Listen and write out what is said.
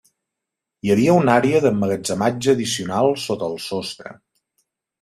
Hi havia una àrea d'emmagatzematge addicional sota el sostre.